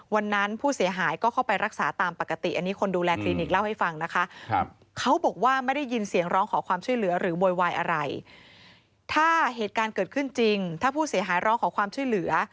ถ้าผู้เสียหายร้องของความช่วยเหลือ